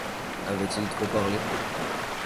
Avait-il trop parlé ?